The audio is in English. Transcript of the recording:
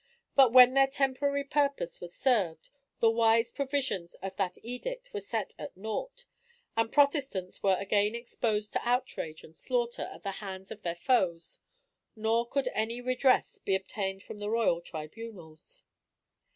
But when their temporary purpose was served, the wise provisions of that edict were set at naught; the Protestants were again exposed to outrage and slaughter at the hands of their foes, nor could any redress be obtained from the royal tribunals.